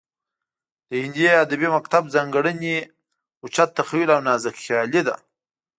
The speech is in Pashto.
د هندي ادبي مکتب ځانګړنې اوچت تخیل او نازکخیالي ده